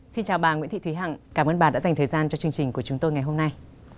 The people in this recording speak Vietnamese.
xin chào bà nguyễn thị thúy hằng cảm ơn bà đã dành thời gian cho chương trình của chúng tôi ngày hôm nay